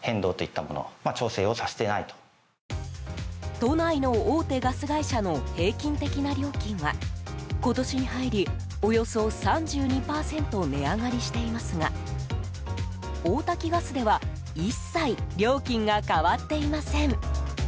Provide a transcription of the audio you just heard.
都内の大手ガス会社の平均的な料金は今年に入り、およそ３２％値上がりしていますが大多喜ガスでは一切、料金が変わっていません。